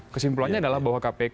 kesimpulannya adalah bahwa kpk